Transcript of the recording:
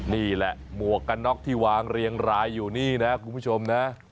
นี่แหละหมวกกันน็อกที่วางเรียงรายอยู่นี่นะคุณผู้ชมนะ